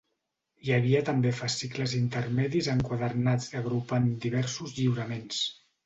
Hi havia també fascicles intermedis enquadernats agrupant diversos lliuraments.